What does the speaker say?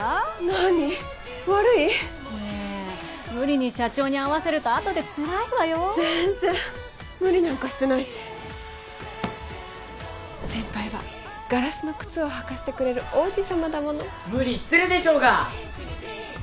何悪い？ねえ無理に社長に合わせるとあとでつらいわよ全然無理なんかしてないし先輩はガラスの靴を履かせてくれる王子様だもの無理してるでしょうが！